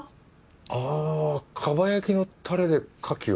ああ蒲焼のタレで牡蠣を。